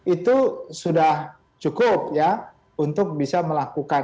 itu sudah cukup ya untuk bisa melakukan